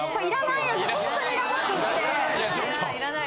いらない。